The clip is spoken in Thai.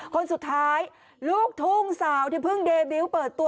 คนสุดท้ายลูกทุ่งสาวที่เพิ่งเดบิวต์เปิดตัว